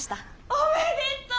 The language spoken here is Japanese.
おめでとう！